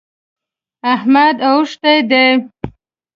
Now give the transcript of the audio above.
احمد اوښتی دی.